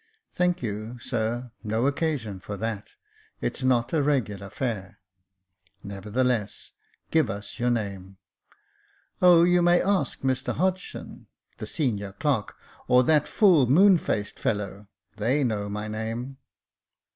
" Thank you, sir, no occasion for that, it's not a regular fare." "Nevertheless, give us your name." " Oh, you may ask Mr Hodgson, the senior clerk, or that full moon faced fellow — they know my name."